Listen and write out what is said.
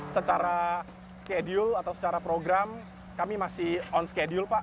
secara schedule atau secara program kami masih on schedule pak